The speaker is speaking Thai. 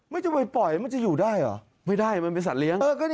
ไม่จะไปปล่อยมันจะอยู่ได้หรอไม่ได้มันปล่อยคืนไปสถานการณ์